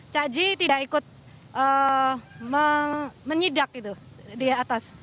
cakji tidak ikut menyidak itu di atas